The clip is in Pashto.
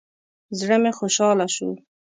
زړه مې خوشحاله شو.